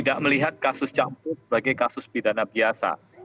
saya melihat kasus cak munir sebagai kasus pidana biasa